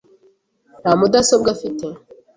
Nta mudasobwa afite .